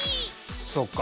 そっか。